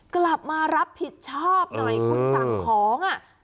กลับมารับผิดชอบหน่อยคุณสั่งของ